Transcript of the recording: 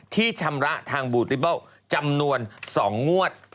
ชำระทางบูติเบิลจำนวน๒งวด